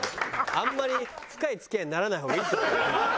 あんまり深い付き合いにならない方がいいと思う。